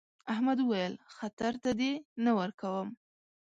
احمد وويل: خطر ته دې نه ورکوم.